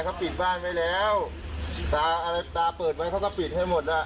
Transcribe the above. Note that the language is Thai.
เขาปิดบ้านไว้แล้วตาอะไรตาเปิดไว้เขาก็ปิดให้หมดอ่ะ